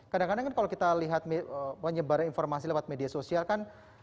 kadang kadang kan kalau kita lihat menyebar informasi lewat media sosial kan